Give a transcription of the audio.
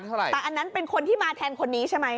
แต่อันนั้นเป็นคนที่มาแทนคนนี้ใช่ไหม